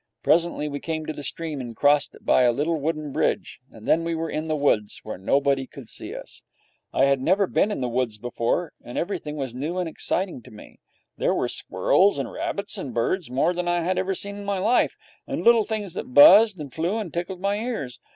Presently we came to the stream and crossed it by a little wooden bridge, and then we were in the woods, where nobody could see us. I had never been in the woods before, and everything was very new and exciting to me. There were squirrels and rabbits and birds, more than I had ever seen in my life, and little things that buzzed and flew and tickled my ears.